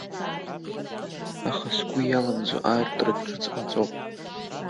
Аха сгәы иаламӡо аартра ҿыц ҟаҵоуп.